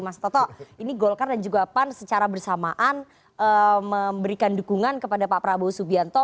mas toto ini golkar dan juga pan secara bersamaan memberikan dukungan kepada pak prabowo subianto